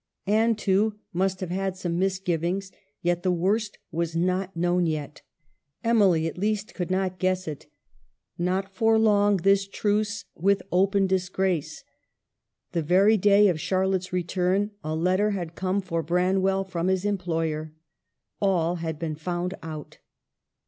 Anne, too, must have had some misgivings ; yet the worst was not known yet. Emily, at least, could not guess it. Not for long this truce with open disgrace. The very day of Charlotte's return a letter had come for Branwell from his employer. All had been found out.